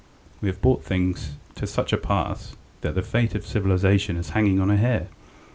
We have brought things to such a pass, that the fate of civilization is hanging on a hair.